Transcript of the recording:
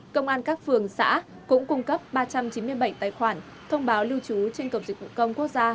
công an các phường xã cũng cung cấp ba trăm chín mươi bảy tài khoản thông báo lưu trú trên cổng dịch vụ công quốc gia